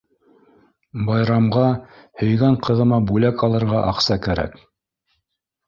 Байрамға һөйгән ҡыҙыма бүләк алырға аҡса кәрәк.